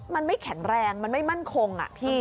มันไม่แข็งแรงมันไม่มั่นคง